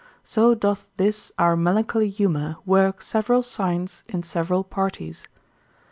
so doth this our melancholy humour work several signs in several parties.